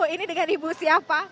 ini dengan ibu siapa